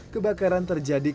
kebakaran terjadi di ancol